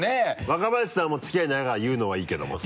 若林さんはもう付き合い長いから言うのはいいけども。